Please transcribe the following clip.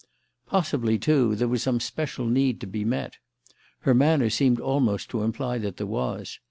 Possibly, too, there was some special need to be met. Her manner seemed almost to imply that there was.